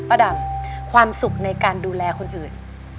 ระดับความสุขในการดูแลคนอื่น